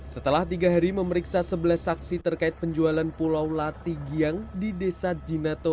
setelah tiga hari memeriksa sebelah saksi terkait penjualan pulau latigyang di desa jinato